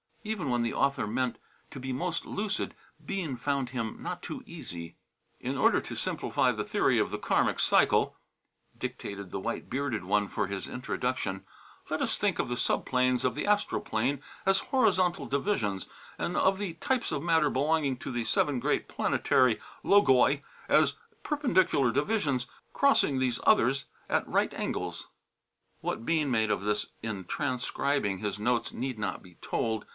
Even when the author meant to be most lucid Bean found him not too easy. "In order to simplify the theory of the Karmic cycle," dictated the white bearded one for his Introduction, "let us think of the subplanes of the astral plane as horizontal divisions, and of the types of matter belonging to the seven great planetary Logoi as perpendicular divisions crossing these others at right angles." What Bean made of this in transcribing his notes need not be told.